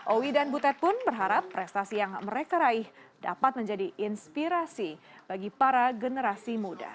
owi dan butet pun berharap prestasi yang mereka raih dapat menjadi inspirasi bagi para generasi muda